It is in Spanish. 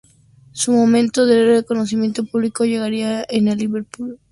Su momento de reconocimiento público llegaría en el Liverpool dirigido por Julio Ribas.